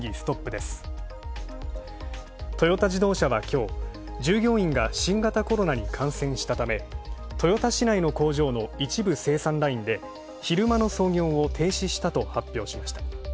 トヨタ自動車はきょう、従業員が新型コロナに感染したため豊田市内の工場の一部生産ラインで昼間の操業を停止したと発表。